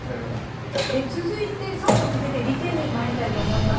続いて３問続いて理系にまいりたいと思います。